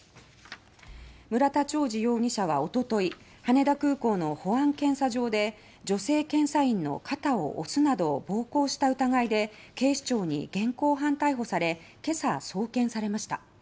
村田兆治容疑者はおととい羽田空港の保安検査場で女性検査員の肩を押すなど暴行した疑いで警視庁に現行犯逮捕され今朝、送検されました。